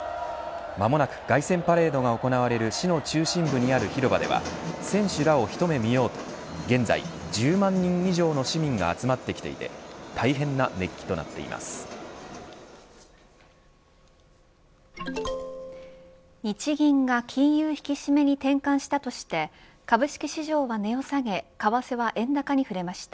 間もなく凱旋パレードが行われる市の中心部にある広場では選手らを一目見ようと現在、１０万人以上の市民が集まってきていて日銀が金融引き締めに転換したとして株式市場が値を下げ株価は円高に振れました。